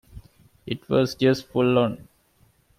It was just full on.